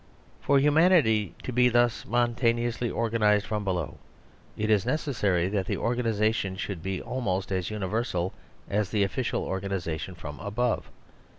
For humanity to be thus spontaneously organised from below, it is necessary that the organisa The Vista of Divorce 188 tion should be almost as universal as the offi cial organisation from above.